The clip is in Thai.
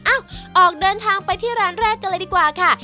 ออกเดินทางไปที่ร้านแรกกันเลยดีกว่าค่ะ